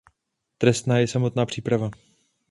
Trestná je i samotná příprava.